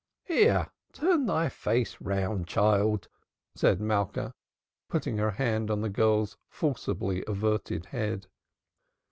"Here, turn thy face round, child," said Malka, putting her hand on the girl's forcibly averted head.